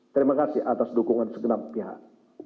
terima kasih atas dukungan segenap pihak